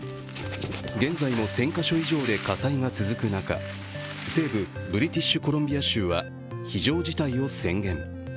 現在も１０００か所以上で火災が続く中、西部ブリティッシュコロンビア州は非常事態を宣言。